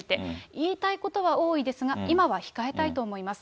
言いたいことは多いですが、今は控えたいと思います。